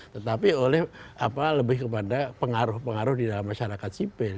tetapi oleh apa lebih kepada pengaruh pengaruh di dalam masyarakat sipil